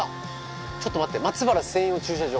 ちょっと待ってまつばら専用駐車場。